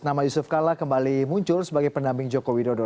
nama yusuf kalla kembali muncul sebagai pendamping joko widodo